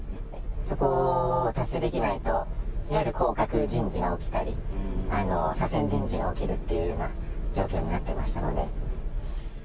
そこを達成できないと、いわゆる降格人事が起きたり、左遷人事が起きるというような状況になってましたので。